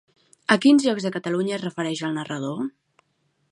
A quins llocs de Catalunya es refereix el narrador?